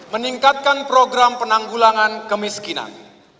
meningkatkan program penanggulangan kemiskinan